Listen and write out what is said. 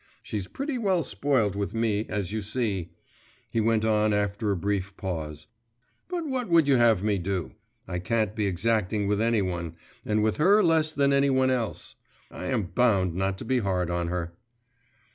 She's pretty well spoilt with me, as you see,' he went on after a brief pause: 'but what would you have me do? I can't be exacting with any one, and with her less than any one else. I am bound not to be hard on her.